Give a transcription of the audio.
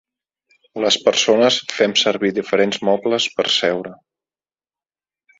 Les persones fem servir diferents mobles per seure.